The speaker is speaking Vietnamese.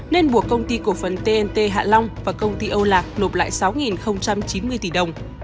nên buộc công ty cổ phần tnt hạ long và công ty âu lạc nộp lại sáu chín mươi tỷ đồng